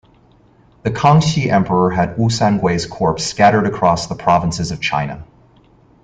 The Kangxi Emperor had Wu Sangui's corpse scattered across the provinces of China.